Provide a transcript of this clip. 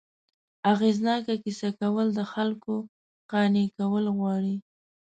اغېزناکه کیسه کول، د خلکو قانع کول غواړي.